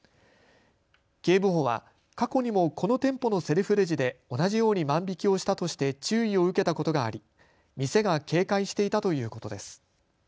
警部補は過去にもこの店舗のセルフレジで同じように万引きをしたとして注意を受けたことがあり店が警戒していたということです。